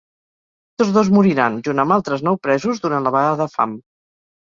Tots dos moriran, junt amb altres nou presos durant la vaga de fam.